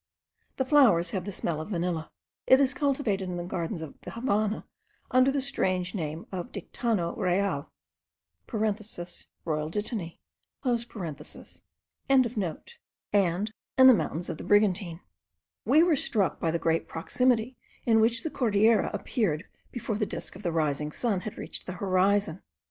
The flowers have the smell of vanilla. It is cultivated in the gardens of the Havannah under the strange name of the dictanno real (royal dittany).), and the mountains of the Brigantine. We were struck by the great proximity in which the Cordillera appeared before the disk of the rising sun had reached the horizon.